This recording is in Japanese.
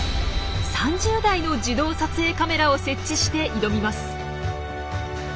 ３０台の自動撮影カメラを設置して挑みます。